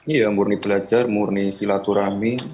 iya murni belajar murni silaturahmi